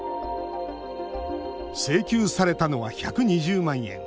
請求されたのは１２０万円。